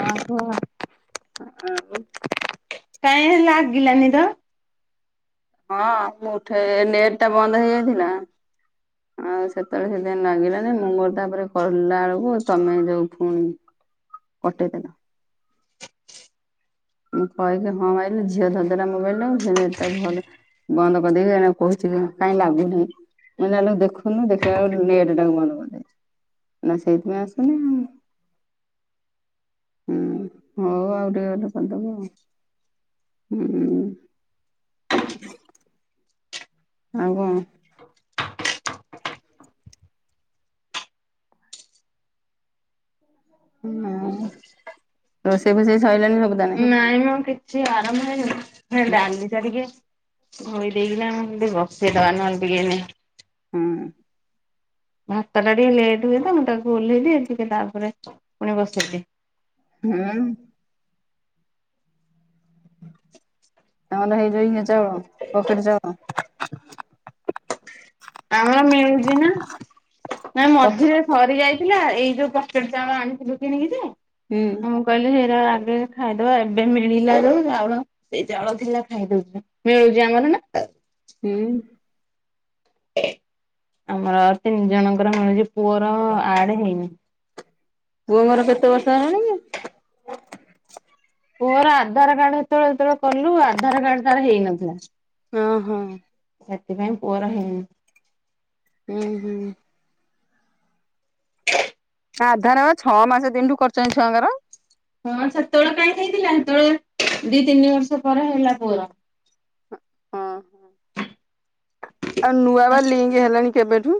ଆ ହୋ ଆଉ କାଇଁ ଲାଗିଲାନି ତ ହଁ ମୁଁ ଉଠେଇ ନେଟ୍ ଟା ବନ୍ଦ ହେଇଯାଇଥିଲା। ଆଉ ସେତେବେଳେ ସେଦିନ ଲାଗିଲାନି ମୁଁ ମୋର ତାପରେ କହିଲା ବେଳକୁ ତମେ ଯୋଉ ଫୁଣି ଅଟକାର ମୁଁ କହିକି ହଁ ମାଇ ଝିଅ ଧରା ମୋବାଇଲ ମୁଁ ଝିଅ ନେଟ୍ ଟା ଭଲ ବନ୍ଦ କରିଦେଇକି ମୁଁ କହୁଛି କାଇଁ ଲାଗୁନି ନାହିଁ। ମୁଁ କହିଲି ଦେଖୁନୁ ଦେଖିଲା ବେଳକୁ [unintelligible] ମୁଁ ସେଇଥିପାଇଁ ଆସୁନି ଆଉ। ହୁଁ ହୋଉ ଆଉ ଟିକେ ଗଲ କରିଦବ ଆଉ। ହୁଁ ଆଉ କଣ? ହୁଁ ରୋଷେଇ ଫୋଷେଇ ସରିଲାଣି ସବୁ? ତାନେ ନାଇଁ ମୁଁ କିଛି ଆରାମ ହେଇନ ହେ ଡାଲି ଟା ଟିକେ ଘୋଡେଇକିନା ନା ନହଲେ ବସେଇ ଦବା ନହଲେ ଟିକେ ଏନେ ହୁଁ। ଭାତ ଟା ଟିକେ ଲେଟ୍ ହୁଏତା ମୁଁ ତାକୁ ଓହ୍ଲେଇ ଦିଏ ଟିକେ ତାପରେ ଫୁଣି ବସେଇଦିଏ। ହୁଁ। ନହଲେ ହେଇଯିବନି ଚାଉଳ ପକେଟ୍ ଚାଉଳ। ଆମର ମିଳୁଚି ନା ନା ପଖ ମଝିରେ ସରି ଯାଇଥିଲା ଏଇ ଯୋଉ ପକେଟ ଚାଉଳ ଆଣିଥିଲୁ କିଣିକି ଯେ ହୁଁ। କହିଲେ ଏରା ଆଗେ ଖାଇଦବା ଏବେ ମିଳିଲାରୁ ଆଉଳ ସେଇ ଜଳ ଥିଲା ଖାଇଦଉଛି ମିଳୁଛି ଆମର ନା। ହୁଁ। ଆମର ତିନି ଜଣଙ୍କର ମିଳୁଛି ପୁଅର ଆଡେ ହେଇନି। ପୁଅ ମୋର କେତେ ବର୍ଷ ହେଲାଣି କି। ପୁଅର ଆଧାର୍ କାର୍ଡ ହେତେବେଳେ ହେତେବେଳେ କଲୁ ଆଧାର୍ କାର୍ଡ ତାର ହେଇନଥିଲା। ଅଁ ହଁ। ସେଥିପାଇଁ ପୁଅର ହେଇନି। ହୁଁ ହୁଁ। ଆଧା ର ଛଅ ମାସେ ଦିନରୁ କରୁଚନ୍ତି ଛୁଆଙ୍କର। ହଁ ସେତେବେଳେ କାଇଁ ହେଇଥିଲା ସେତେବେଳେ ଦି ତିନି ବର୍ଷ ପରେ ହେଲା ପୁଅର। ହଁ ଆଉ ନୂଆ ବା ଲିଙ୍ଗ ହେଲାଣି କେବେଠୁ।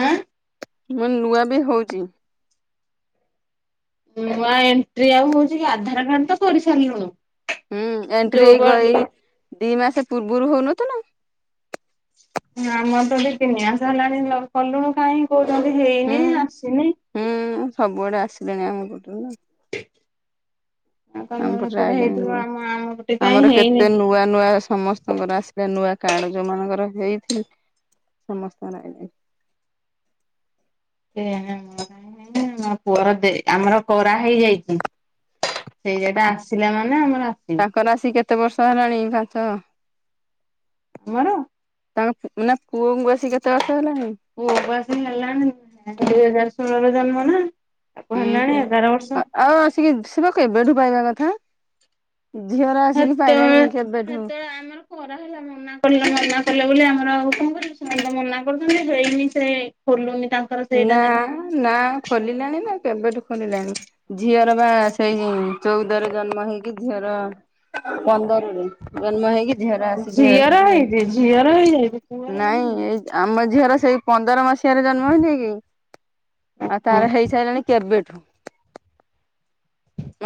ଆଁ। ମୁଁ ନୂଆ ବି ହୋଉଚି। ନୂଆ ଏଣ୍ଟ୍ରି ଆଉ ହୋଉଚି କି ଆଧାର କାର୍ଡ ତ କରିସାରିଲୁଣୁ। ହୁଁ ଏଣ୍ଟ୍ରି ଯୋଉ ଏଇ ବ ଗ ଇ ଏଇ ଦି ମାସେ ପୂର୍ବରୁ ହୋଉନ ଥୁଲା। ଆମର ତ ଟ ତିନି ମାସ ହେଲାଣି କଲୁଣୁ କାଇଁ କହୁଚନ୍ତି ହୁଁ ହେଇନି ଆସିନି। ହୁଁ ସବୁଆଡେ ଆସିଲେଣି ଆମ ପଟରୁ। ଆଉ ଆମ୍ ତମର ପଟରେ ସେପଟେ ଆଇଲେଣି ହେଇଥିବ ନୁଆ ଆମ ଆମ ପଟେ କାହିଁ ଆମର ହେଇନି କେତେ ନୂଆ ନୂଆ ସମ ସ୍ତ ଙ୍କର ଆସିଲା ନୂଆ କାର୍ଡ ଯୋଉ ମାନଙ୍କର ହେଇଥିଲି ସମସ୍ତଙ୍କର ଆଇଲିଣି। [unintelligible] ପୁଅର ଦେ ଆମର କରା ହେଇଯାଇଚି। ସେଇ ଯାଇଟା ଆସିଲା ମାନେ ଆମର ଆସ ତାଙ୍କର ରାଶି କେତେ ବର୍ଷ ହେଲାଣି [unintelligible] [unintelligible] ତାଙ୍କ ପୁ ନା ପୁଅଙ୍କୁ ଆସି କେତେ ବର୍ଷ ହେଲାଣି? ପୁଅ କୁ ଆସିକି ହେଲାଣି ଦି ହଜାର ଷୋହଳରେ ଜନ୍ମ ନା। ତାକୁ ହୁଁ ହେଲାଣି ହୁଁ ଏଗାର ବର୍ଷ ଆ ଆଉ ଆସିକି ସେପା କେବେଠୁ ପାଇବା କଥା। ଝିଅର ଆସିକି ପାଇଲାଣି ହେତେବେଳେ କେବେଠୁ। ସେତେବେଳେ ଆମର କରାହେଲା ମ ମନା କଲେ ମନା କଲେ ବୋଲି ଆମର ଆଉ କଣ କରିବୁ ସେମାନେ ତ ମନା କରୁଛନ୍ତି ହେଇନି ସେ ଖୋଲୁନି ତାଙ୍କ ନାଁ ନାଁ ଖୋଲିଲାଣି ନା କେବେଠୁ ଖୋଲିଲାଣି। ଝିଅର ବା ସେଇ ଚଉଦରେ ଜନ୍ମ ହେଇକି ଝିଅର ପନ୍ଦରରୁ ଜନ୍ମ ହେଇକି ଝିଅର ଆସିକି ଝିଅର ହେଇଚି ଝିଅର ହେଇଯାଇଚି। ନାଇଁ ଏଇ ଆମ ଝିଅର ସେଇ ପନ୍ଦର ମସ ସିହା ରେ ଜନ୍ମ ହେଇନେଇ କି ଆଉ ଓହୋ ତାର ହେଇସାରିଲାଣି କେବେଠୁ।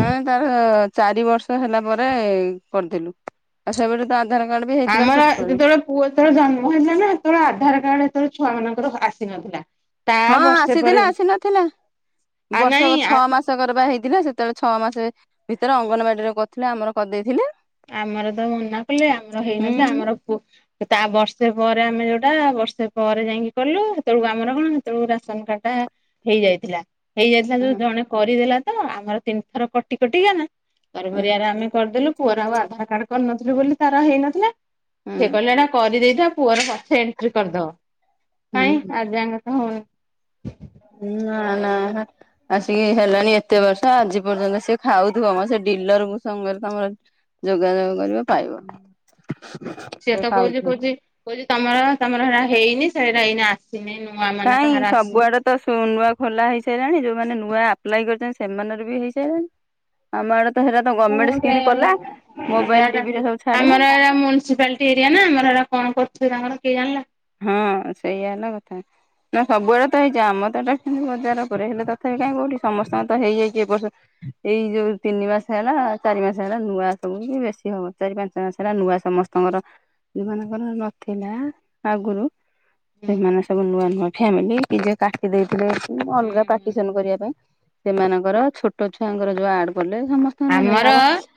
ମାନେ ତାର ଚାରି ବର୍ଷ ହେଲା ପରେ କରିଦେଲୁ ଆଉ ସେବେଠୁ ତା ଆଧାର କାର୍ଡ ବି ହେଇଥିଲା ଆମର ଛୋଟଅଳୁ। ଯେତେବେଳେ ପୁଅ ଯେତେବେଳେ ଜନ୍ମ ହେଇଲା ନା ହେତେବେଳେ ଆଧାର କାର୍ଡ ଏତଳେ ଛୁଆ ମାନଙ୍କର ଆସିନଥିଲା। ତା ହଁ ବର୍ଷେ ଆସିଚି ପରେ ନା ଆସି ନଥିଲା ଆ ବର୍ଷକ ନାଇଁ ଛଅ ମାସ ବର୍ଷକର ବା ହେଇଥିଲା ସେତେବେଳେ ଛଅ ମାସ ଭିତରେ ଅଙ୍ଗନବାଡିରେ କରିଥିଲେ ଆମର କରିଦେଇଥିଲେ। ଆମର ତ ମନା କଲେ ଆମର ହେଇନଥିଲା ହୁଁ ଆମର ତା ବର୍ଷେ ପରେ ଆମେ ଯୋଉଟା ବର୍ଷେ ପରେ ଯାଇଁକି କଲୁ। ସେତେବେଳକୁ ଆମର କଣ ସେତେବେଳକୁ ରାସନ କାର୍ଡ ଟା ହେଇ ଯାଇଥିଲା। ହେଇଯାଇଥିଲା ଯୋଉ ହୁଁ ଜଣେ କରିଦେଲା ତ ଆମର ତିନିଥର କଟି କଟି ନା ତରବରିଆରେ ଆମେ କରିଦେଲୁ। ପୁଅର ଆଉ ଆଧାର କାର୍ଡ କରିନଥିଲୁ ବୋଲି ତାର ହେଇନଥିଲା। ସେ ହୁଁ କହିଲେ ଏଟା କରିଦେଇଥା ପୁଅର ପଛେ ଏଣ୍ଟ୍ରି କରିଦବ। କାଇଁ ହୁଁ ଆଜିଯାଏଁ ତ ହଉନି। ହୁଁ ନାଁ ନାଁ ନାଁ ଆସିକି ହେଲାଣି ଏତେ ବର୍ଷ ଆଜି ପର୍ଯ୍ୟନ୍ତ ସିଏ ଖାଉଥିବ ମ ସେ ଡିଲର ସାଙ୍ଗରେ ତମର ଯୋଗାଯୋଗ କରିବ ପାଇବ। ସେ ପାଉଥିବ। କହୁଚି ତମର ତମର ଏଟା ହେଇନି ସେଇଟା ହେଇନି ଆସିନି ନୂଆ ମାନେ କାଇଁ କାହାର ଆସିନି। ସବୁଆଡେ ତ ନୂଆ ଖୋଲା ହେଇସାରିଲାଣି ଯୋଉମାନେ ନୂଆ ଆପ୍ଲାଏ କରିଛନ୍ତି ସେମାନେର ବି ହେଇସାରିଲାଣି। ଆମ ଆଡ ତ ହେଟ ତ ଗମେଣ୍ଟ କଣ ସ୍କିମ କଲା ମୋବାଇଲ ଟିଭିରେ ସବୁ ଛାଡିଲା। ମୁୁନିସିପାଲଟି ଏରିଆ ନା ଆମର ଏଟା କଣ କରୁ ତାଙ୍କର କିଏ ଜାଣିଲା। ହଁ ସେଇଆ ହେଲା କଥା। ନା ସବୁଆଡେ ତ ହେଇଚି ଆମ ତ ଏଟା ବଜାର ଉପରେ ହେଲେ ତଥାପି କାଇଁ କୋଉଠି ସମସ୍ତଙ୍କ ତ ହେଇଯାଇଚି ଏ ବର୍ଷ। ଏଇ ଯୋଉ ତିନି ମାସ ହେଲା ଚାରି ମାସ ହେଲା ନୂଆ ସବୁ ବେଶୀ ହବ ଚାରି ପାଞ୍ଚ ମାସ ହେଲା ନୂଆ ସମସ୍ତେ ତମର ଯୋଉମାନଙ୍କର ନଥିଲା ଆଗରୁ ସେମାନେ ସବୁ ନୂଆ ନୂଆ ଫ୍ୟାମିଲି କି ଯେ କାଟି ଦେଇେଇଥିଲେ ଅଲଗା ପାର୍ଟିସନ କରିବା ପାଇଁ ସେମାନଙ୍କର ଛୋଟ ଛୁଆଙ୍କର ଯୋଉ ଆଡ କଲେ ସମସ୍ତେ ଆମର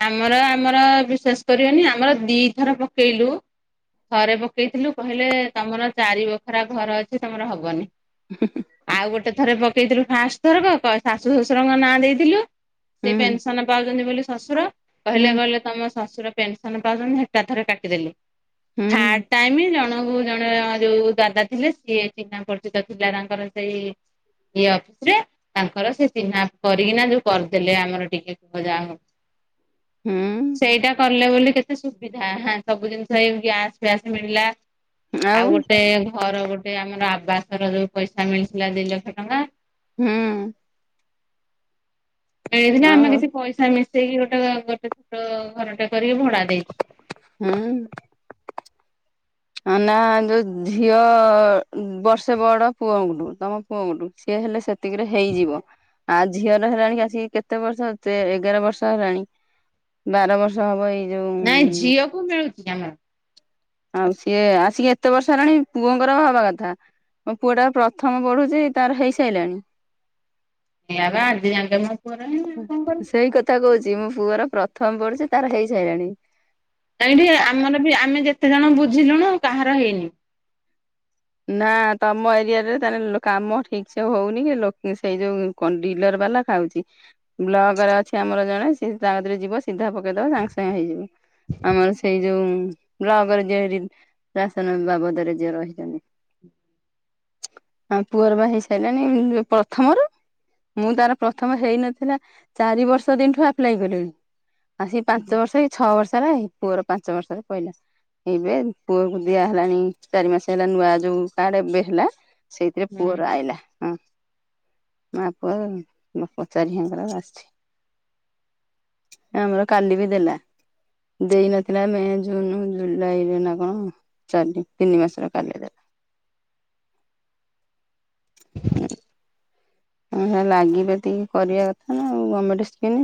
ଆମର ଆମର ବିଶ୍ଵାଷ କରିବନି ଆମର ଦିଥର ପକେଇଲୁ ଥରେ ପକେଇଥିଲୁ କହିଲେ ତମର ଚାରି ବଖରା ଘର ଅଛି ତମର ହବନି। ହୁଁ ହୁଁ। ଆଉ ଗୋଟେ ଥରେ ପକେଇଥିଲୁ ଫାଷ୍ଟ ଥରକ ଶାଶୁ ଶଶୁରଙ୍କ ନାଁ ଦେଇଥିଲୁ ସେ ହୁଁ ପେନସ ପାଉଚନ୍ତି ବୋଲି ଶାଶୁର ହୁଁ କହିଲେ କହେ ତମ ଶାଶୁର ପେନସନ ପାଉଛନ୍ତି ହେଟା ଥରେ କାଟିଦେଲେ। ହୁଁ ଥାର୍ ଟାଇମ୍ ଜଣକୁ ଜଣେ ଯୋଉ ଦାଦା ଥିଲେ ସିଏ ଚିହ୍ନା ପରିଚିତ ଥିଲା ତାଙ୍କର ସେଇ ଇ ଅଫିସ ରେ ତାଙ୍କର ସେ ଚିହ୍ନା କରିକିନା ଯୋଉ କରିଦେଲେ ଆମର ଟିକେ। ଯା ହଉ, ହୁଁ ସେଇଟା କଲେ ବୋଲି କେତେ ସୁବିଧା। ସବୁ ଜିନିଷ ଏଇ ଗ୍ୟାସ ଫ୍ୟାସ ମିଳିଲା। ଆଉ ଗୋଟେ ଘର ଗୋଟେ ଆମର ଆବାସର ଯୋଉ ପଇସା ମିଳିଥିଲା ଦି ଲକ୍ଷ ଟଙ୍କା ହୁଁ। ମିଳିଥିଲା ଆମେ ଆଉ କିଛି ପଇସା ମିଶେଇକି ଗୋଟେ ଗୋଟେ ଛୋଟ ଘରଟେ କରିକି ଭଡା ଦେଇଚୁ। ହୁଁ। ହ ନା ଯୋଉ ଝିଅ ବର୍ଷେ ବଡ ପୁଅଠୁ ତମ। ପୁଅଙ୍କଠୁ ସିଏ ହେଲେ ସେତିକିରେ ହେଇଯିବ। ଆ ଝିଅର ହେଲାଣି ଆସିକି କେତେ ବର୍ଷ ତେ ଏଗାର ବର୍ଷ ହେଲାଣି ବାର ବର୍ଷ ହବ ଏଇ ଯୋଉଁ ବୁ ମିଳୁଛି ଆମର [inaudible] ଆଉ ସିଏ ଆସିକି ଏତେ ବର୍ଷ ହେଲାଣି ପୁଅଙ୍କର ହବା କଥା। ମୋ ପୁଅ ଟା ପ୍ରଥମ ପଢୁଛି ତାର ହେଇସାଇଲାଣି। ହେ ଆବା ଆଜି ଯାଙ୍କେ ମୋ ପୁଅର ହେଇନି ଆଉ କଣ କରିବି। ସେଇ କଥା କହୁଛି ମୋ ପୁଅର ପ୍ରଥମ ପଢୁଛି ତାର ହେଇ ସାଇଲାଣି। କାହିଁଠି ଆମର ବି ଆମେ ଯେତେ ଜଣ ବୁଝିଲୁଣୁ କାହାର ହେଇନି। ନା ତମ ଏରିଆ ରେ ତାହେଲେ ଲୋ କାମ ଠିକ ସେ ହଉନି କି ଲୋକେ ସେଇ ଯୋଉ। କନ୍ ଡିଲର ବାଲା ଖାଉଛି ବ୍ଲକ ରେ ଅଛି ଆମର ଜଣେ ସିଏ ତା କତିରେ ଯିବ ସିଧା ପ। ପକେଇଦବ ସାଙ୍ଗେ ସାଙ୍ଗେ ହେଇଯିବ। ଆମର ସେଇ ଯୋଉ ବ୍ଲକ୍ ରେ ଯିଏ ରି ରାସନ ବାବଦରେ ଯିଏ ରହିଛନ୍ତି। ହଁ ପୁଅର ପା ହେଇ ସାଇଲାଣି ଇଏ ପ୍ରଥମରୁ। ମୁଁ ତାର ପ୍ରଥମ ହେଇନଥିଲା ଚାରି ବର୍ଷ ଦିନଠୁ ଆପ୍ଲାଏ କଲିଣି। ଆସିକି ପାଞ୍ଚ ବର୍ଷ କି ଛଅ ବର୍ଷ ରେ ପୁଅର ପାଞ୍ଚ ବର୍ଷରେ ପଇଲା, ଏବେ ପୁଅ କୁ ଦିଆ ହେଲାଣି ଚାରି ମାସେ ହେଲା ନୂଆ ଯୋଉ କାର୍ଡ ଏବେ ହେଲା ସେଇଥିରେ ହୁଁ। ପୁଅର ଆଇଲା ହଁ। ମା ପୁଅ ବାପା ଚାରି ଝିଅଙ୍କର ଆସିଛି। ଆମର କାଲି ବି ଦେଲା। ଦେଇନଥିଲା ମେ, ଜୁନ, ଜୁଲାଇ ରେ ନା କଣ? ଚାଲି ତିିନି ମାସର କାଲି ଦେଲା। ଅଁ, ହଁ ଲାଗି ପାତିକି କରିବା କଥା ନା ଆଉ ଗମେଣ୍ଟ ସ୍କିନି।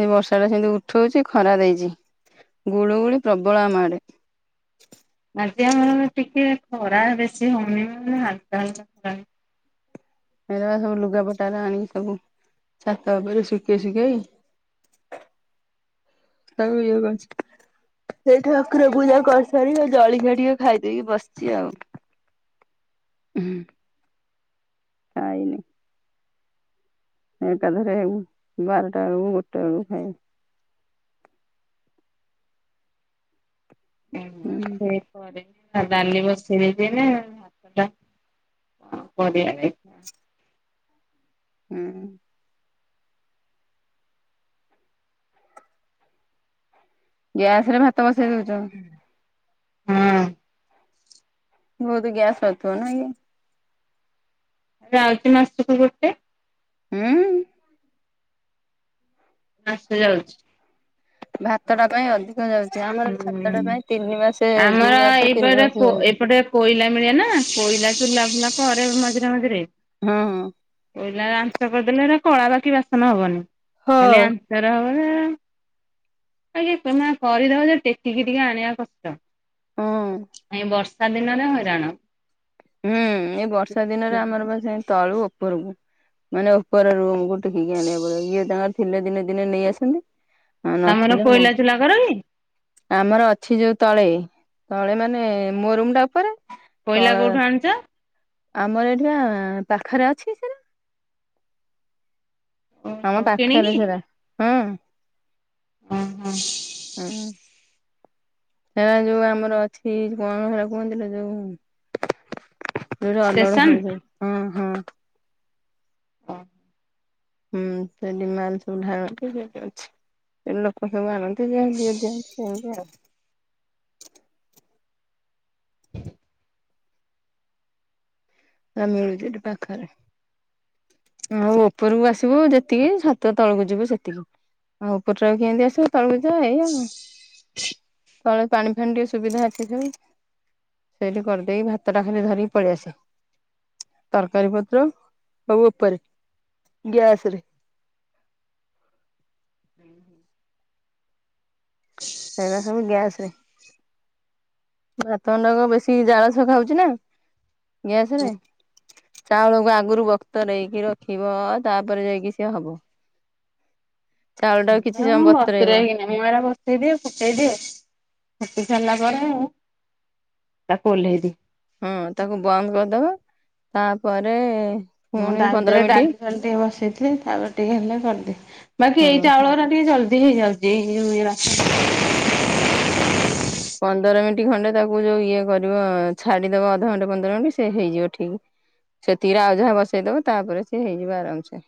ଏ ବର୍ଷା ଟା ସେମିତି ଉଠଉଛି ଖରା ଦେଇଛି, ଗୁଳୁ ଗୁଳି ପ୍ରବଳ ଆମ ଆଡେ। ଆଜି ଆମର ଟିକେ ଖରା ବେଶୀ ହଉନି, ମାନେ ହାଲକା ହାଲକା ଖରା ହଉ ଏଇରା ସବୁ ଲୁଗାପଟା ର ଆଣିକି ସବୁ ଛାତ ଉପରେ ଶୁକେଇ ଶୁକେଇ ତାକୁ ଇଏ [unintelligible] ସେଇ ଠାକୁର ପୂଜା କରିସାରି ଆ, ଜଳିଖିଆ ଟିକେ ଖାଇଦେଇକି ବସିଛି ଆଉ। ହୁଁ। ଖାଇନି। ଏକାଥରେ ବାରଟା ବେଳକୁ ଗୋଟେ ବେଳକୁ ଖାଇବି। ହୁଁ ମୁଁ ସେ ହଁ ଡାଲି ବସେଦେଇଛି ହେଲେ, ଟା- କରିବାପାଇଁ। ହଁ। ଗ୍ୟାସ୍ ରେ ଭାତ ବସେଇ ଦଉଚ? ହୁଁ। ବହୁତ ଗ୍ୟାସ୍ ସରୁଥିବ ନାହିଁ କି? ଯାଉଛି ମାସକୁ ଗୋଟେ। [unintelligible] ମାସେ ଯାଉଛି। ଭାତଟା ପାଇଁ ଅଧିକ ଯାଉଛି, ଆମର ଭାତଟା ହୁଁ। ପାଇଁ ତିନି ମାସେ ଦି ଆମର ମାସେ ତିନି ଏଇପଟେ ମାସେ ଯାଉଛି। ଏପଟେ କୋଇଲା ମିଳେନା କୋଇଲା ଚୁଲା ଫୁଲା କରେ ମଝିରେ ମଝିରେ। ହଁ, ହଁ। କୋଇଲାରେ ଆଞ୍ଚ କରିଦେଲେ ହେରା କଳା ବାକି ବାସନ ହବନି। ଖାଲି ହଁ। ଆଞ୍ଚରେ ହବ। [unintelligible] ବାକି ସିନା କରିଦବ ଯେ ଟେକିକି ଟିକେ ଆଣିବା କଷ୍ଟ। ହଁ ଏ ବର୍ଷା ଦିନରେ ହଇରାଣ। ହୁଁ, ଏଇ ବର୍ଷା ଦିନରେ ଆମର ବା ସେ ତଳୁ ଉପରକୁ ମାନେ ଉପର ରୁମ୍ କୁ ଟେକିକି ଆଣିବା ପାଇଁ ଇଏ ତାଙ୍କର ଥିଲେ ଦିନେ ଦିନେ ନେଇ ଆସନ୍ତି। ହଁ ତମର ନଥିଲେ ମୁଁ କୋଇଲା ଚୁଲା କର କି ଆମର ଅଛି ଯୋଉ ତଳେ, ତଳେ ମାନେ ମୋ ରୁମ୍ ଟା ଉପରେ। କୋଇଲା ତଳେ କୋଉଠୁ ଆଣିଛ? ଆମର ଏଠି ଆ, ପାଖରେ ଅଛି ସେଟା। ଆମ ପାଖରେ କିଣିକି ସେରା ହଁ। ଅଁ, ହଁ। ହଁ। ହେ ଯୋଉ ଆମର ଅଛି କଣ ହେରା କୁହନ୍ତି ନା ଯୋଉ। ଜଉଟି ଅଲଡ ଷ୍ଟେସନ ହୁଏ ସେଇଠି ହଁ, ହଁ। ହ। ହୁଁ ସେଠି ମାଲ ସବୁ ଢାଳନ୍ତି ସେଠି ଅଛି। ସେ ଲୋକ ସବୁ ଆଣନ୍ତି ଯେ ଦିଏ ଦିଅନ୍ତି ସେମିତି ଆଉ। ଆ ମିଳୁଚି ଏଇଟି ପାଖରେ। ଆଉ ଉପରକୁ ଆସିବୁ ଯେତିକି। ଛାତ ତଳକୁ ଯିବୁ ସେତିକି। ଆଉ ଉପରହିକି କେମିତି ଆସିବୁ। ତଳକୁ ଏଇ ଆଉ। ତଳେ ପାଣି ଫାଣି ଟିକେ ସୁବିଧା ଅଛି ସବୁ। ସେଇଠି କରିଦେଇି ଭାତଟା ଖାିଲି ଧରିକି ପଳେଇ ଆସେ। ତରକାରୀ ପତ୍ର ସବୁ ଉପରେ ଗ୍ୟାସ ରେ। ହୁଁ, ହୁଁ। ହେରା ସବୁ ଗ୍ୟାସ ରେ। ଭାତଗଣ୍ଡାକ ବେଶୀ ଜାଳସ ଖାଉଛି ନା ଗ୍ୟାସ ରେ। ଚାଉଳକୁ ଆଗରୁ ବତୁ ରେଇକି ରଖିବ ତାପରେ ଯାଇକି ସିଏ ହବ। ଚାଉଳଟାକୁ କିଛି ସମୟ ମୁଁ ବତୁରେଇବ। ବତୁରେଇକିନା ମୁଁ ଏରା ବସେଇଦିଏ ଫୁଟେଇଦିଏ। ଫୁଟି ସାରିଲା ପରେ ତାକୁ ଓହ୍ଲାଇ ଦିଏ। ହଁ ତାକୁ ବନ୍ଦ କରିଦବ ତାପରେ ମୁଁ ପୁଣି ତା ଭିତ ପନ୍ଦର ରେ ଡାଲି ମିନିଟ୍ ଫାଲି ଟିକେ ବସେଇଥିଲି। ତାପରେ ଟିକେ ହେଲା କରିଦିଏ। ବାକି ହଁ ଏଇ ଚାଉଳ ରା ଟିକେ ଜଲଦି ହେଇ ଯାଉଛି ଏଇ ହେଉରା। ହଁ। ପନ୍ଦର ମିନିଟ୍ ଖଣ୍ଡେ ତାକୁ ଯୋଉ ଇଏ କରିବ। ଛାଡିଦବ ଅଧଘଣ୍ଟେ ପନ୍ଦର ମିନିଟ୍ ସେ ହେଇଯିବ ଠିକ। ସେ ତିକିରେ ଆଉ ଯାହା ବସେଇ ଦବ। ତାପରେ ସିଏ ହେଇଯିବ ଆରାମସେ।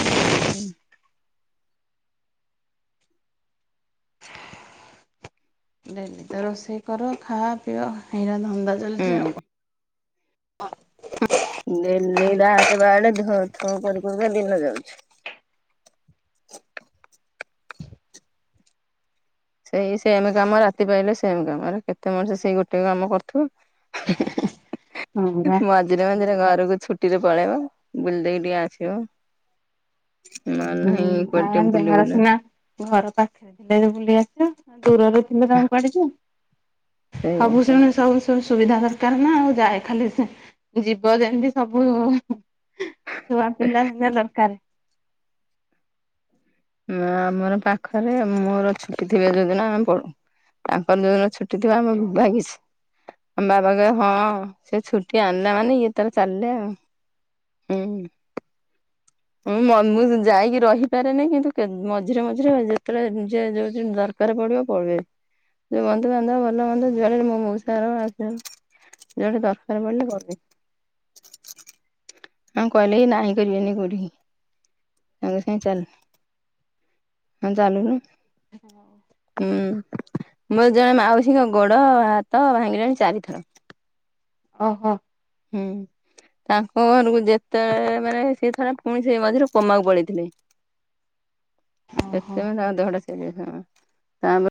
ହୁଁ, ହୁଁ। ରୋଷେଇ କର ଖା ପିଅ ହେଇରା ଧନ୍ଦା ଚାଲିଛି ଆଉ ହୁଁ। କଣ। ଡେଲି ବାନ୍ଧେ ବାଢେ ବାହା କରୁ କରୁ କା ଦିନ ଯାଉଚି। ସେଇ ସେମ କାମ ରାତି ପାଇଲେ ସେମ କାମ କେତେ ମଣିଷ ସେଇ ଗୋଟେ କାମ ହଁ ପରା କରୁଥିବ। ମଝିରେ ମଝିରେ ଘରକୁ ଛୁଟିରେ ପଳେଇବ ବୁଲି ଦେଇକି ଟିକେ ଆସିବ। ନହେଲେ ନାହିଁ ହୁଁ କୁଆଡେ ଟିକେ ବୁଲି ଯାହାର ବୁଲା ସିନା ଘର ପାଖରେ ଥିଲେ ବୁଲି ଆସିବ ଦୂରରେ ଥିଲେ ତାଙ୍କୁ କୁଆଡେ ଯିବ। ସେଇଆ। ସବୁ ଶୁଣୁ ସବୁ ଶୁ ସୁ ସୁବିଧା ଦରକାର ନା ଆଉ ଯାଏ ଖାଲି ଯିବ ଯେମିତି ସବୁ। ଛୁଆ ପିଲା ହେବା ଦରକାର। ମ ଆମର ପାଖରେ ମୋର ଛୁଟି ଥିବେ ଯୋଉଦିନ ଆମେ ପଳଉ। ତାଙ୍କର ଯୋଉଦିନ ଛୁଟି ଥିବା ଆମେ ଭାଗିଶ। ଆମ ବାବା କହିବେ ହଁ ସେ ଛୁଟି ଆଣିଲା ମାନେ ଇଏ ତାର ଚାଲିଲେ ଆଉ। ଉଁ। ହଁ ମୁଁ ଯାଇକି ରହିପାରେନି କିନ୍ତୁ କେ ମଝିରେ ମଝିରେ ଯେତେବେଳେ ଯିଏ ଯୋଉ ଦରକାର। ଉପରେ ପଡିବ ପଳୁଏଁ ବନ୍ଧୁ ବାନ୍ଧବ ଭଲ ମନ୍ଦ ମୋ ମଉସା ଘର ମାଉସି ଘର। ଯୋଉଠେ ଦରକାର ପଡିଲେ କହିବି। ତାଙ୍କୁ କହିଲେ ନାହଁ କରିବେନି କଉଠିକି। ସାଙ୍ଗେ ସାଙ୍ଗେ ଚାଲ। ହଁ ଚାଲୁନୁ ହୁଁ। ମୋର ଜଣେ ମାଉସୀଙ୍କ ଗୋଡ଼ ହାତ ଭାଙ୍ଗିିଲାଣି ଚାରିଥର। ଓହୋ। ହୁଁ। ତାଙ୍କ ଘରକୁ ଯେତେବେଳେ ସେ ଥରେ ପୁଣି ସେ ମଝିରେ କୋମାକୁ ପଳେଇଥିଲେ। ଓହୋ [unintelligible]